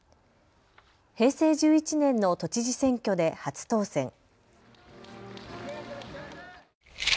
平成１１年の都知事選挙で初当選。